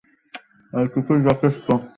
তাদের চোখে মুখে কঙ্কর নিক্ষেপ করল।